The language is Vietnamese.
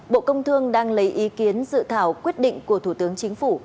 bộ công thương đang lấy ý kiến dự thảo quyết định của thủ tướng chính phủ